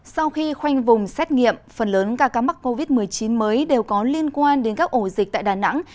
sau khi khoanh vùng xét nghiệm phần lớn ca ca mắc covid một mươi chín mới đều có liên quan đến các ổ dịch tại đà nẵng